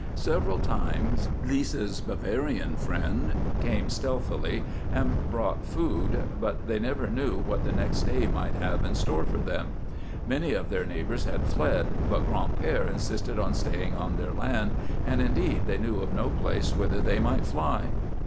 Several times Lisa's Bavarian friend came stealthily and brought food, but they never knew what the next day might have in store for them. Many of their neighbours had fled, but Gran'père insisted on staying on their land, and indeed they knew of no place whither they might fly.